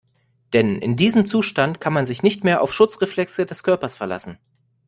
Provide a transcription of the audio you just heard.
Denn in diesem Zustand kann man sich nicht mehr auf Schutzreflexe des Körpers verlassen.